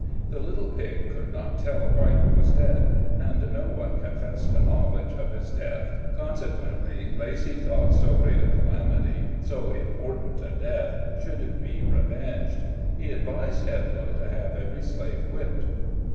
The little pig could not tell why he was dead, and no one confessed a knowl edge of his death ; consequently, Lacy thought so great a calamity, so important a death, should be revenged. He advised Edloe to have every slave whipped.